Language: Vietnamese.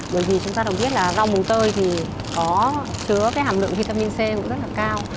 bởi vì chúng ta đồng biết là rau mùng tơi thì có chứa cái hàm lượng vitamin c cũng rất là cao